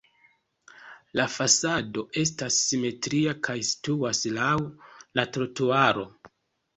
La fasado estas simetria kaj situas laŭ la trotuaro.